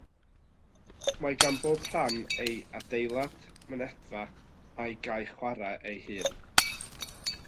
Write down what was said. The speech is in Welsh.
Mae gan bob rhan ei adeilad, mynedfa a'i gae chwarae ei hun.